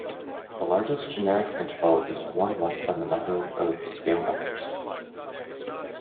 The largest generic interval is one less than the number of scale members.